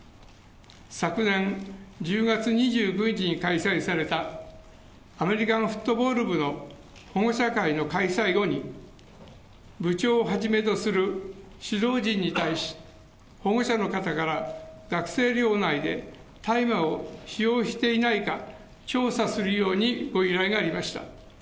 昨年１０月２５日に開催された、アメリカンフットボール部の保護者会の開催後に、部長をはじめとする指導陣に対し、保護者の方から学生寮内で大麻を使用していないか調査するようにご依頼がありました。